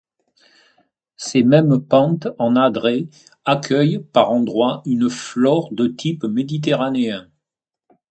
Ces mêmes pentes en adret accueillent, par endroits, une flore de type méditerranéen.